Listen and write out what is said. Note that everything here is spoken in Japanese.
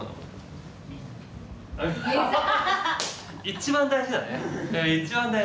一番大事だね！